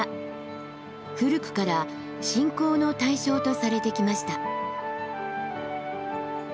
古くから信仰の対象とされてきました。